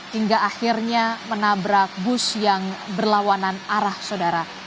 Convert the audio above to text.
hingga akhirnya menabrak bus yang berlawanan arah saudara